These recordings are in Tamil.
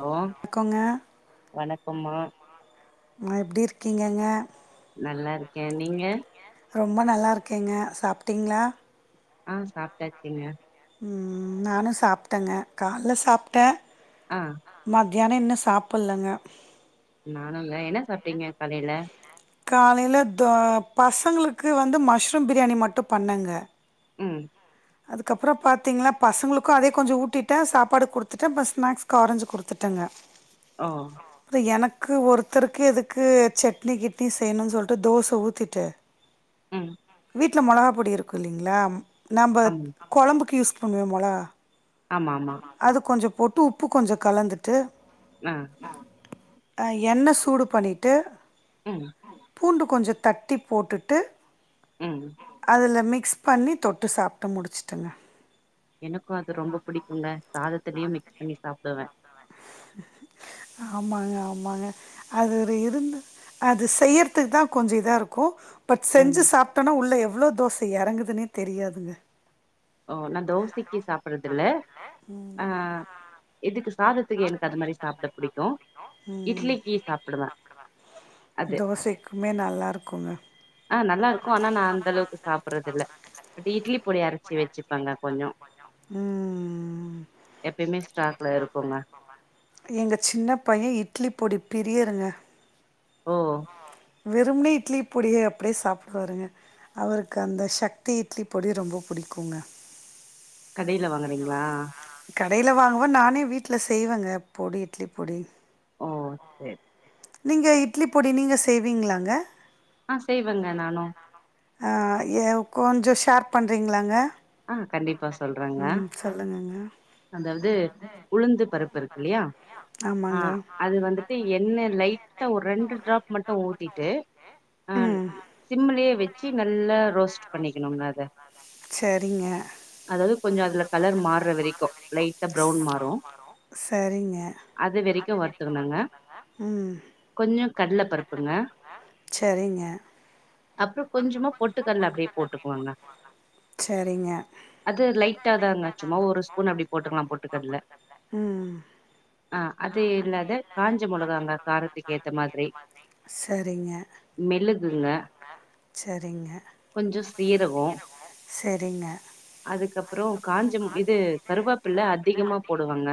ஹலோ வணக்கங்க வணக்கம்மா ஆ எப்டிருக்கீங்கங்க கே நீங்க ரொம்ப நல்லாருக்கேங்க சாப்டீங்ளா ஆ சாப்ட்டாச்சுங்க ம் நானூ சாப்ட்டேங்க கால்ல சாப்ட்டே ஆ பியானோ இன்னூ சாப்பிட்லங்க நானுங்க என்ன சாப்டீங்க காலைல காலைல தோ பசங்ளுக்கு வந்து மஷ்ரூம் பிரியாணி மட்டூ பண்ணேங்க ம் அதுக்கப்றோ பாத்தீங்னா பசங்களுக்கூ அதே கொஞ்சே ஊட்டிட்டே சாப்பாடு குடுத்துட்டு இப்ப ஸ்நாக்ஸ்க்கு ஆரஞ்சு குடுத்துட்டேங்க ஓ அப்ற எனக் க்கு ஒருத்தருக்கு எதுக்கு சட்னி கிட்னி செய்யணூனு சொல்ட்டு தோச ஊத்திட்டு ம் வீட்ல மொளகா பொடி இருக்கூ இல்லைங்ளா நம் ஆமா கொழம்புக்கு யூஸ் அந்த மொளகா ஆமா ஆமா அது கொஞ்சோப் போட்டு உப்பு கொஞ்சோ கலந்துட்டு ஆ அ எண்ண சூடு பண்ணிட்டு ம் பூண்டு கொஞ்சோ தட்டி போட்டுட்டு உம் அதுல மிக்ஸ் பண்ணி தொட்டு சாப்ட்டு முடிச்சுட்டங்க எனக்கு அது ரொம்ப புடிக் குங்க சாதத்தலயு மிக்ஸ் பண்ணி சாப்பிடுவே ஆமாங்க ஆமாங்க அது இருந்து அது செய்யறதுக்கு தா கொஞ்சம் இதா இருக்கு பட் செஞ்சு ம் சாப்பிட்டனா உள்ள எவ்ளோ தோசை எறங்குதுன்னே தெரியாதுங்க ஓ நான் தோசைக்கு சாப்படுறது இல்ல ஆஹ் இதுக்கு சாத த்துக்கு எனக்கு அது மாரி சாப்ட புடிக்கு ம் இட்லிக்கு சாப்புடுவே அது தோசைக்குமே நல்லா இருக்குங்க ஆஹ் நல்லா இருக்கு ஆனா நா அந்த அளவுக்கு சாப்படுறது இல்ல இட்லி பொடி அரைச்சி வச் சிப்பங்க கொஞ்ச ம் எப்பயுமே ஸ்டாக்ல இருக்குங்க எங்க சின்ன பைய இட்லி பொடி பிரியருங்க ஓ வெறுமனே இட்லி பொடிய அப்படியே சாப்புடுவாருங்க அவருக்கு அந்த சக்தி இட்லி பொடி ரொம்ப புடிக்குங்க கடையில வாங்கறீங்களா கடையில வாங்குவே நானே வீட்ல செய்வேங்க பொடி இட்லி பொடி ஓ சரி நீங்க இட்லி பொடி நீங்க செய்வீங்களாங்க ஆஹ் செய்வங்க நானு ஆ கொஞ்ச ஷேர் பண்றீங்களாங்க ஹூம் கண்டிப்பா சொ சொல்றங்க ம் சொல்றேங்க. சொல்லுங்கங்க. அதாவது உளுந்து பருப்பு இருக்கு இல்லையா ஆமாங்க அது வந்துட்டு எண்ணெ லைட் த்த ஒரு ரெண்டு ட்ராப் மட்டு ஊத்திட்டு ஆ ம் சிம்லயே வச் சி நல்லா ரோஸ்ட் பண்ணிக்கணுங்க அத சரிங்க அது கொஞ்ச அதுல கலர் மார்ற வரைக்கு லைட்டா ப்ரௌன் மாறு சரிங்க அது வெரைக்கு வறுத்துக்கனுங்க ம் கொஞ்ச கடலப்பருப்புங்க சரிங்க. அப்புற கொஞ்சமா பொட்டுக்கடல அப்டியே போட்டுக்கலாங்க சரிங்க அது லைட்டா தாங் சும்மா ஒரு ஸ்பூன் அப்டி போட்டுக்கலா பொட்டுக்கடல ம் ஆஹ் அது இல்லாத காஞ்ச மொளகாங்க காரத்துக்கு ஏத்த மாதிரி சரிங்க. மெளகுங்க சரிங்க. கொஞ்ச சீரக சரிங்க. அதுக்கப்புற போடுவாங்க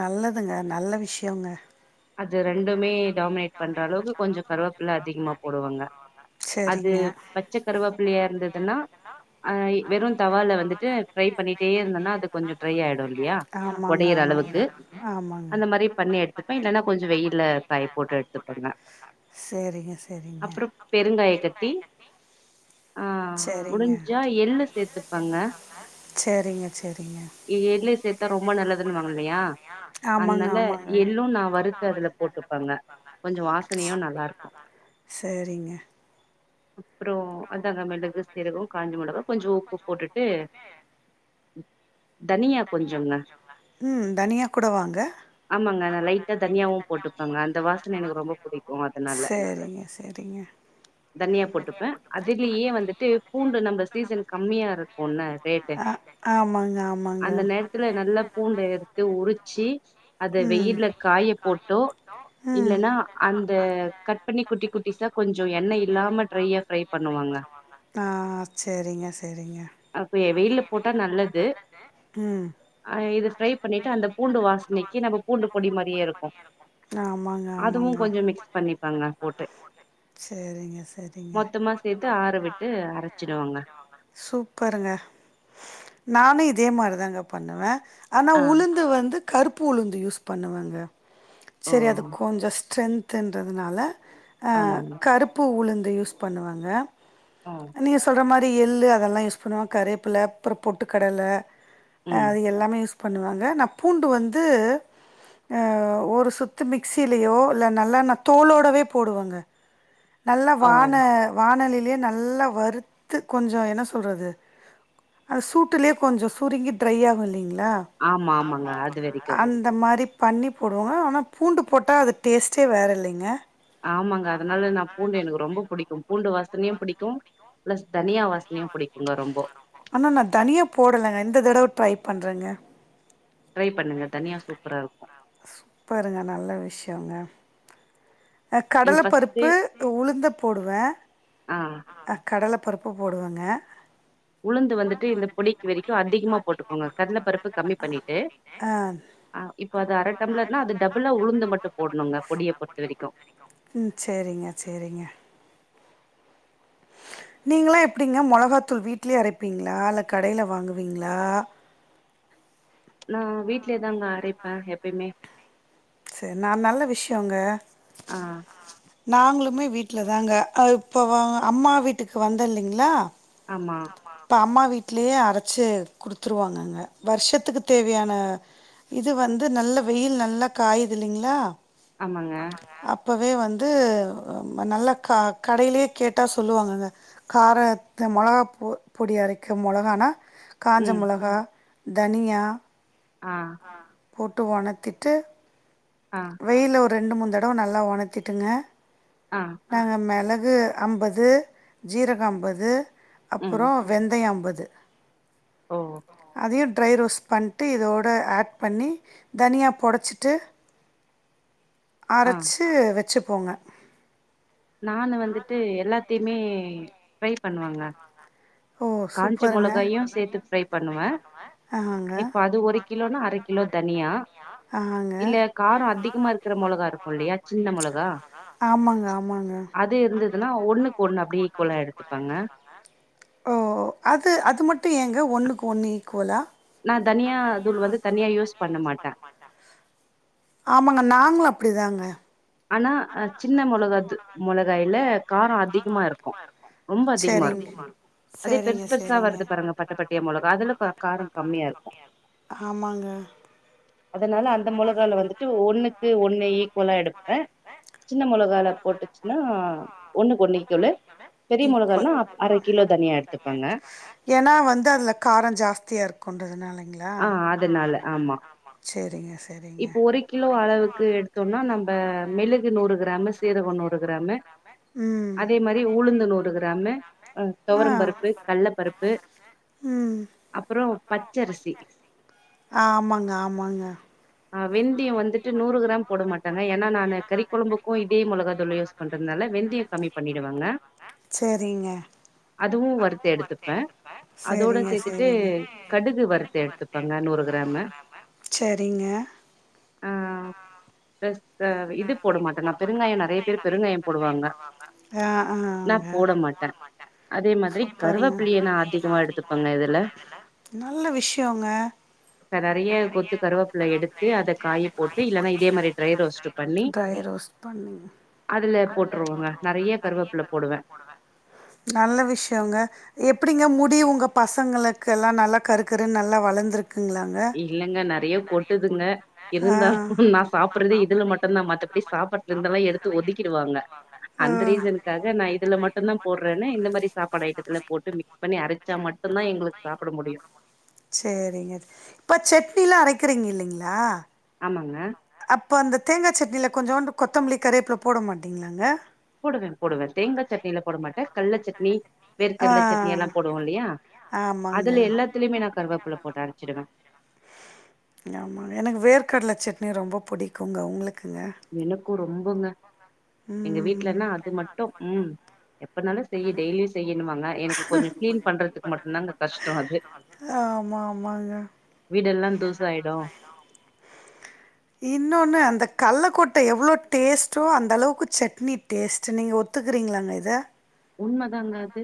நல்லதுங்க நல்ல விஷ்யுங்க அது ரெண்டுமே டாமினேட் பண்ற அளவுக்கு கொஞ்ச கருவப்பில்ல அதிகமாக போடுவாங்க அது சரிங்க பச்ச கருவப்பில்லையா இருந்ததுன்னா ஹ வெறு தவால வந்துட்டு ஃப்ரை பண்ணிட்டே இருந்தோனா அது கொஞ்ச ட்ரை ஆயிடு இல்லையா ஆமாங்க ஒடையிற ஆமாங்க வடியிற அளவுக்கு ஆமாங்க அந்த மாரி பண்ணி எடுத்து இல்லன்னா கொஞ்ச வெய்யில்ல காய போட்டு எடுத்துப்பங்க சரிங்க சரிங்க அப்புற பெருங்காய கட்டி ஆஹ் சரிங்க முடிஞ்சா எள்ளு சேர்த்துப்பங்க சரிங்க சரிங்க எள்ளு சேத்தா ரொம்ப நல்லதுன்னுவாங்க இல்லயா அதனால எள்ள கொஞ்சோ வாசனையு நல்லா இருக்கு சேரிங்க அப்புறோ அதாங்க மிளகு சீரகோ காஞ்ச மொளகா கொஞ்சோ உப்பு போட்டுட்டு தனியா கொஞ்சோங்க உம் தனியா கூட வாங்க ஆமாங்க நா லைட்டா தனியாவு போட்டுபங்க அந்த வாசன எனக்கு ரொம்ப புடிக்கும் அதனால சரிங்க சரிங்க தனியா போட்டுப்ப அதிலியே வந்துட்டு பூண்டு நம்ம சீசன் கம்மியா இருக்கும்ல ரேட்டு ஆ ஆமாங்க ஆமாங்க அந் அந்த நேரத்துல நல்ல பூண்ட எடுத்து உரிச் சி அத ம் வெய்யில்ல அது வெயில்ல காய போட்டோ ம் இல்லன்னா அந்த கட் பண்ணி குட்டி குட்டிஸ்சா கொஞ்சோ எண்ணெய் இல்லாம கொஞ்சோ ட்ரையா ஃப்ரை பண்ணுவாங்க ஆ சரிங்க சரிங்க அப்ப வெயில்ல போட்டா நல்லது ம் இத ஃப்ரை பண்ணிட்டு அந்த பூண்டு வாசனைக்கு நம்ப பூண்டு போட் அப்டியே இருக்கும் ஆமாங்க ஆமாங்க அதுவும் கொஞ்சோ மிக்ஸ் பண்ணிப்பங்க போட்டு சரிங்க சரிங்க மொத்தமா சேத்து ஆறவிட்டு அரச்சிடுவங்க அதே மாரிதாங்க பண்ணுவே ஆனா உளுந்து வந்து கருப்பு உளுந்து யூஸ் பண்ணுவேங்க ஓ செரி அது கொஞ்சோ ஸ்ட்ரென்த் இன்றதுனால ஆஹ் ஆமாங்க கருப்பு உளுந்து இத யூஸ் பண்ணுவாங்க ஆ நீங்க சொல்ற மாரி து எள்ளு அதெல்லா யூஸ் பண்ணுவோ கரேப்பில்ல அப்றோ பொட்டுக்கடல ஆஹ் ம் அது எல்லாமே யூஸ் பண்ணுவாங்க நா பூண்டு வந்து ஆஹ் ஒரு சுத்து மிக்சிலயோ இல்ல நல்லா நா தோலோடவே போடுவேங்க நல்ல ஓ வான வானலி அப்டியே நல்லா வறுத்து கொஞ்சோ என்ன சொல்றது அந்த சூட்டுலேயே கொஞ்சோ சுருங்கி டிரை ஆகும் இல்லைங்களா ஆமா ஆ ஆமாங்க அது வரைக்கு அந்த மாரி ப பண்ணிப் போடுவோ ஆனா பூண்டு போட்டா அது டேஸ்டே வேற இல்லைங்க ஆமாங்க அதனால நா பூ பூண்டு எனக்கு ரொம்ப புடிக்கும் பூண்டு வாசனையும் புடிக்கும் பிளஸ் தனியா வாசனையு புடிக்குங்க ரொம்போ அண்ணா நா தனியா போடலங்க இந்த தடவ ட்ரை பண்றங்க ட்ரை பண்ணுங்க தனியா சூப்பரா இருக்கோ ப்பருங்க நல்ல விஷ்யொங்க ஆ நீங்க ஃபஸ்ட்டு கடலப்பருப்பு உளுந்த போடுவே ஆ கடல பருப்ப போடுவங்க உளுந்து வந்துட்டு இந்த பொடிக்கு வெரிக்கோ அதிகமா போட்டுக்கோங்க கடலப்பருப்பு கம்மி பண்ணிட்டு ஆ ஆ இப்ப அது அர டம்ளர்னா அது டபிளா உளுந்த மட்டோ போட்ணோங்க பொடிய பொறுத்த வெரிக்கோ ம் சேரிங்க நீங்கள்லா எப்டிங்க மொளகாத்தூள் வீட்லயே அரப்பீங்ளா இல்ல கடைல வாங்குவீங்ளா நா வீட்லேயே தாங்க அரைப்பே எப்பயுமே செரி ந நல்ல விஷ்யோங்க ஆ நாங்ளுமே வீட்ல தாங்க [unintelligible] அம்மா வீட்டுக்கு வந்தல்லிங்ளா ஆமா இப்ப அம்மா வீட் ட்லே அரச்சு குடுத்துருவாங்கங்க வர்ஷத்துக்கு தேவையான இது வந்து நல்லா வெயில் நல்லா காய்து இல்லிங்ளா ஆமாங்க ப்பவே வந் து ம நல்லா க கடைலியே கேட்டா சொல்லுவாங்கங்க கார த மொளகா ப்பொ பொடி அரைக்க மொளகானா காஞ்ச ம் மொளகா தனியா ஆ போட்டு ஒணத்திட்டு ஆ வெயில்ல ஒ ரெண்டு மூன் தடவ நல்லா ஒணத்திட்டுங்க ஆ நாங்க மிளகு து அம்பது ஜீரக அம்பது ம் அப்புறோ வெந்தயம் அம்பது து ஓ அதயு ட்ரை ரோஸ் பண்ட்டு இதோட அட் பண்ணி தனியா பொடச்சிட்டு ஆ அரச்சு வெச்சு போங்க நானு வந்துட்டு எல்லாத்தியு மே ட்ரை பண்ணுவாங்ளா ஓ காஞ்ச சூப்பருங்க காஞ்ச மொளகாயு சேத்து ஃப்ரை பண்ணுவே ஆஹாங்க இப்ப அது ஒரு கிலோனா அர கிலோ தனியா ஆஹாங்க இல்ல காரோ அதிகமா இருக்கிற மொளகா இருக்கோலியா சின்ன மொளகா ஆமாங்க ஆமாங்க அது இருந்ததுன்னா ஒண்ணுக்கு ஒண்ணு அப்படியே எக்குவலா எடுத்துப்பாங்க ஓ அது அது மட்டு எங்க ஒன்னுக்கு ஒன்னு ஈக்குவலா நா தனியா தூள் வந்து தனியா யூஸ் பண்ண மாட்ட ஆமாங்க நாங்களு அப்படிதாங்க ஆனா சின்ன மிளக தூ மொளகாயில்ல கார அதிகமா இருக்கு ரொம்ப அதிகமா சரிங் இருக்கு அதே சரிங்க பெருசு பெருசா சரிங்க வருது பாருங்க பட்டப்பட்டயா மொளகா அதுல ப கார கம்மியா இருக்கு ஆமாங்க அதனால அந்த மொளகால வந்துட்டு ஒண்ணுக்கு ஒன் னு ஈக்வலா எடு ப்ப சின்ன மொளகால போட்டுச்சுனா ஈக்வல் அர கிலோ தனியா எடுத்துப்பேங்க ஏனா வந்து அதுல கார ஜாஸ்தியா இருக்குன்றதுனாலைங் ஆ அதுனால ஆமா சரிங்க சரிங்க இப்ப ஒரு கிலோ அளவுக்கு எடுத்தோனா நம்ம மெளுகு நூறு கிராமு சீரக நூறு கிராமு ம் அதே மாரி உளுந்து நூறு கிராமு ஆ தொவரம்பருப்பு கல்லபருப்பு ம் அப்புற பச்சரிசி ஆமாங்க ஆமாங்க ஆ வெந்திய வந்துட்டு நூறு கிராம் போட மாட்டங்க ஏ னா நானு கறி கொழம்புக்கு இதே மொளகா தூள யூஸ் பண்றதுனால வெந்திய கமி பண்ணிடுவங்க சரிங்க அதுவு வறுத்து எடுத்துப்ப அதோட சரிங்க சேத்துட்டு சரிங்க கடுகு வறுத்து எடுத்து ப்பங்க நூறு கிராமு சரிங்க ஆ ப்ளஸ் த இது போட மாட்ட நா பெருங்காய நெறைய பேர் பெருங்காய போடுவாங்க ஆ நா ஆங்க போட மாட்ட அதே மாதிரி சூப்பருங்க கருவேப்பிலய நா அதிகமா எடுத்துப்பங்க இதுல நல்ல விஷயோங்க நெறைய கொத்து கருவேப்புலய எடுத்து அதக் காயப் போட்டு இல்லேன்னா இதே மாதிரி ட்ரை ரோஸ்ட் பண்ணி ட்ரை ரோஸ்ட் பண்ணி அதுல போட்ருவேங்க நெறைய கருவேப்பில போடுவே நல்ல விஷயோங்க எப்பிடிங்க மூ எப்படி உங்க பசங்களுக்கு எல்லா நல்லா கருக்கருன்னு நல்லா வளந்துருக் இல்லங்க நெறைய கொட்டுதுங்க ஆ இருந்தாலு நா சாப்புட்றதே இதுல மட்டும்தா மத்தபடி சாப்பாட்ல இருந்துலா எடுத்து ஒதுக்கிடுவாங்க அந்த ஆ ரீசனுக்காக நா இதுல மட்டுந்தா போடுறேன்னே இந்த மாதிரி சாப்பாடு ஐட்டத்துல போட்டு மிஸ் பண்ணி அரைச்சா மட்டுந்தா எங்களுக்கு சாப்பிட முடியு சேரிங்க இப்ப சட்னி எல்லா அரைக்கிறீங்க இல்லைங்களா ஆமாங்க அப்ப அந்த தேங்கா சட்னியில கொஞ்சோண்டு கொத்தமல்லி கரிவேப்பில போட மாட்டீங்களாங்க போடுவேன் போடுவேன் தேங்கா சட்னியில போட மாட்டேன் கட்ல சட்னி வேர்க்கடல சட்னி எல்லா ஆ போடுவோ இல்லையா அதுல ஆமாங்க எல்லாத்துலயுமே நா கருவேப்புல போட்டு அரச்சிருவே ஆமாங்க எனக்கு வேர்க்கடல சட்னி ரொம்ப புடிக்குங்க உங்களுக் குங்க க்கு ரொம்பங்க எங்க வீட்டு்லன்னா அது மட்டும் உம் னால செய் டெய்லியு செய்யுன்னுவாங்க எனக்கு கொஞ்சோ க்ளீன் பண்றதுக்கு மட்டு்ந்தா கஷ்டோ அது ஆமா, ஆமாங்க. வீடெல்லா தூசு ஆயிடு க்கொட்ட எவ்வளோ டேஸ்ட்டோ அந்த அளவுக்கு சட்னி டேஸ்ட் நீங்க ஒத்துக்கிறீங்களாங்க இத உண்மதாங்க அது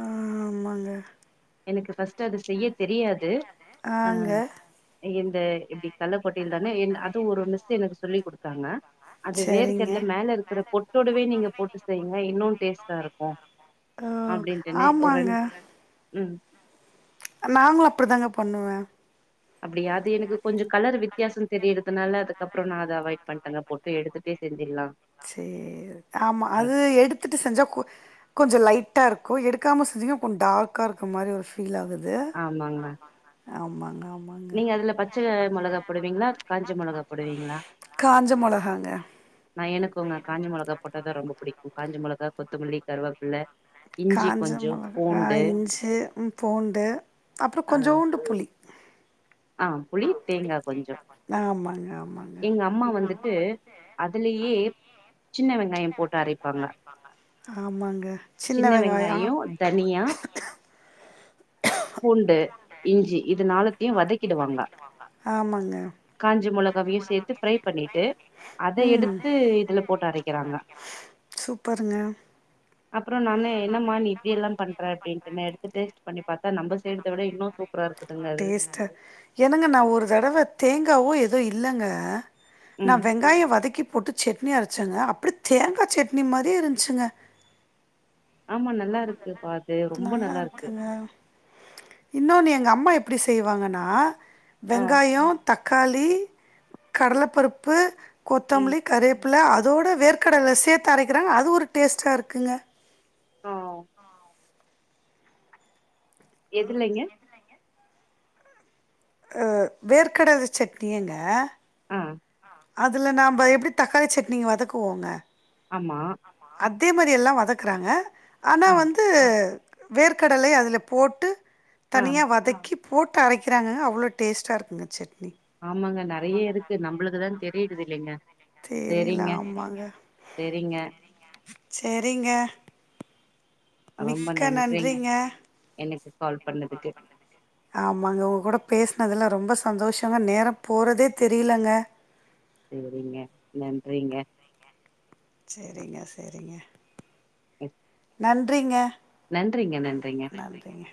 ஆஹ் ஆமாங்க எனக்கு ஃபஸ்ட்டு அது செய்ய தெரியாது அ ஆங்க இந்த இப்டி கட்லக்கொட்டல தானே என் அதுவு ஒரு மிஸ் எனக்கு சொல்லி குடுத்தாங்க அது சரிங்க. வேர்க்கடல மேல இருக்கிற பொட்டோடவே நீங்க போட்டு செய்ங்க இன்னு டேஸ்டா இருக்கும் ஓ! அப்படின்ட்டுன்னு ஒரு ஆமாங்க. ரெண் உம் நாங்களு அப்பிடி தாங்க பண்ணுவே அப்பிடியா அது எனக்கு கொஞ்சோ கலர் வித்தியாசோ தெரியிறதுனால அதுக்கப்றோ நான் அத அவாய்ட் பண்ணிட்டேங்க பொட்டு எடுத்துட்டே செஞ்சிடலாம் சேரி ஆமா அது எடுத்துட்டு செஞ்சா கொஞ் - கொஞ்சோ லைட் ட்டா இருக்கு. எடுக்காம செஞ்சீங்கன்னா கொஞ்ச டார்க்கா இருக்க மாரி ஒரு ஃபீல் ஆகுது ஆமாங்க ஆமாங்க ஆம் நீங்க அதுல பச்ச மொளகா போடுவீங்களா காஞ்ச மொளகா போடுவீங்களா காஞ்ச மொளகாங்க நா எனக்கு உங்க காஞ்ச மொளக போட்டாதா ரொம்ப பிடிக்கு காஞ்சி மொளகா கொத்தமல்லி கருவாப்பிள்ள காஞ்ச மொளக இஞ்சி பூண்டு அப்றோ கொஞ்சோண்டு புளி ஆஹ் புளி தேங்கா கொஞ்சோ ஆமாங்க ஆமாங்க எங்க அம்மா வந்துட்டு அதுலேயே சின்ன வெங்காயம் போட்டு அரைப்பாங்க சின்ன வெங்காயோ தனியா பூண்டு இஞ்சி இதுனாலத்தையு வதக் டுவாங்க ஆமாங்க காஞ்ச மொளகாவையும் சேர்த்து பிரய் பண்ணிட்டு அத ம் எடுத்து இதுல போட்டு அரைக்கிறாங்க சூப்பருங்க அப்புறோ நான்னு என்னமா நீ இப்படி எல்லா பண்ற அப்டின்ட்டு நா எடுத்து டு பண்ணி பாத்தா நம்ம செய்றத விட இன்னோ சூப் ப்புறா இருக்குதுங்க அது டேஸ்ட்டு என்னங்க நா ஒரு தடவ தேங்காவோ எதோ இல்லங்க நா ம் வெங்காய வதக்கிப் பொட்டு சட்னி அரைச்சங்க அப்படி தேங்காய் சட்னி மாரியே இருச்சுங்க ஆமா நல்லா இருக்குபா அது ரொம்ப நல்லா இருக்கு இருக்குங்க இன்னொன்னு எங்க அம்மா எப்டி செய்வாங்கன்னா ஆ வெங்காயோ தக்காளி கடலப்பருப்பு ம் கொத்தம்லி கரெப் புள்ள அதோட வேர்க்கடல சேத்து அரைக்கிறாங் அது ஒரு டேஸ்ட்டா இருக்குங்க ஓ ஆஹ் எதுலைங்க ஆ வேர்க்கடல சட்னியங்க அ அதுல நாம எப்டி தக்காளி சட்னிக்கு வதக்குவோங்க ஆமா அதே மாரி எல்லா வதக்குறாங்க ஆனா ஆ வந்து வேர்க்கடலை அதுல போட்டு ஆ தனியா வதக்கிப் போட்டு அரைக்கிறாங்க அவ்ளோ டேஸ்ட்டா இருக்குங்க சட்னி ஆமாங்க நெறைய இருக்கு நம்மளுக்குதா தெ து இல்லைங்க தெரியல செரிங்க செரிங்க செரிங்க மிக்க நன்றிங்க எனக்கு கால் பண்ணதுக்கு ஆமாங்க உங்க கூட பேசனதுல்லா ரொம்ப சந்தோஷ நம்ம நேரம் போறதே தெரியலங்க சரிங்க நன்றிங்க செரிங்க செரிங்க ஸ் நன்றிங்க நன்றிங்க நன்றிங்க நன்றிங்க.